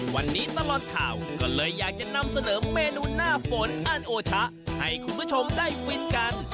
วันนี้ตลอดข่าวก็เลยอยากจะนำเสนอเมนูหน้าฝนอันโอชะให้คุณผู้ชมได้ฟินกัน